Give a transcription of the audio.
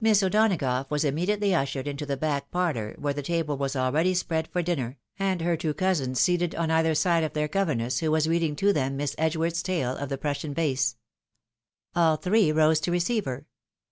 Miss O'Donagough was immediately ushered into the back parlour, where the table was already spread for dinner, and her two cousins seated on either side of their governess, who was reading to them Miss Edgeworth's tale of the Prussian Vase. All three rose to receive her.